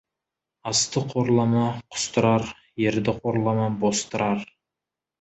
Асты қорлама, құстырар, ерді қорлама, бостырар.